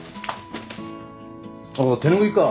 あっ手拭いか。